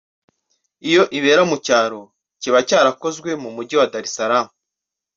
yo ibera mu cyaro kiba cyarakozwe mu Mujyi wa Dar es Salaam